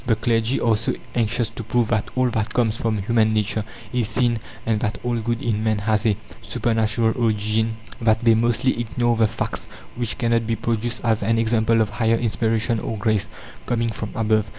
The clergy are so anxious to prove that all that comes from human nature is sin, and that all good in man has a supernatural origin, that they mostly ignore the facts which cannot be produced as an example of higher inspiration or grace, coming from above.